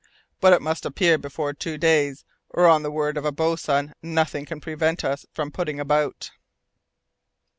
But it must appear before two days, or, on the word of a boatswain, nothing can prevent us from putting about!"